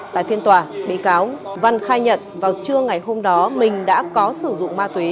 tại phiên tòa bị cáo văn khai nhận vào trưa ngày hôm đó mình đã có sử dụng ma túy